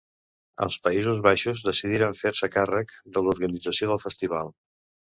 Els Països Baixos decidiren fer-se càrrec de l'organització del festival.